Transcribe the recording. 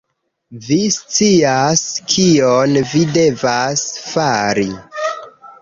Vi scias kion vi devas fari